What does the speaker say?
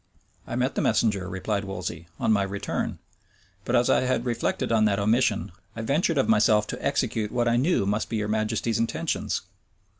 "I met the messenger," replied Wolsey, "on my return: but as I had reflected on that omission, I ventured of myself to execute what I knew must be your majesty's intentions."